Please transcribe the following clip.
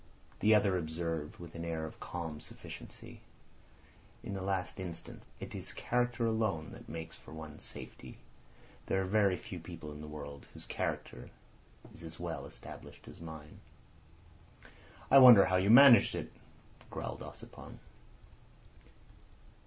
The other observed, with an air of calm sufficiency: "In the last instance it is character alone that makes for one's safety. There are very few people in the world whose character is as well established as mine." "I wonder how you managed it," growled Ossipon.